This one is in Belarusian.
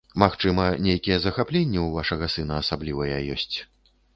Магчыма, нейкія захапленні ў вашага сына асаблівыя ёсць.